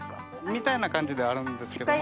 みたいな感じではあるんですけども。